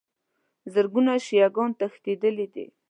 زرګونو شیعه ګان تښتېدلي دي.